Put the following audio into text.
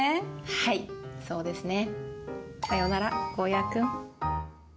はいそうですね。